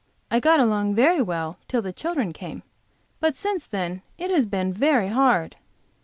I got along very well till the children came, but since then it has been very hard."